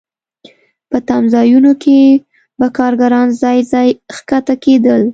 په تمځایونو کې به کارګران ځای ځای ښکته کېدل